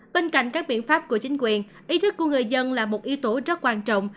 bên cạnh các biện pháp của chính quyền ý thức của người dân là một yếu tố rất quan trọng